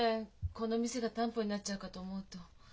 この店が担保になっちゃうかと思うと。